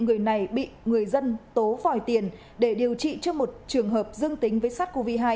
người này bị người dân tố vòi tiền để điều trị cho một trường hợp dương tính với sars cov hai